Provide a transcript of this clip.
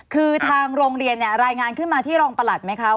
คือทางโรงเรียนเนี่ยรายงานขึ้นมาที่รองประหลัดไหมคะ